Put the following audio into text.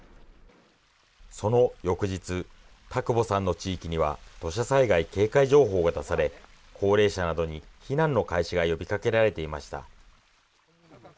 その翌日、田窪さんの地域には土砂災害警戒情報が出され、高齢者などに避難の開始が呼びかけられていました。